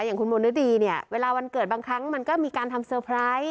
อย่างคุณมณฤดีเนี่ยเวลาวันเกิดบางครั้งมันก็มีการทำเซอร์ไพรส์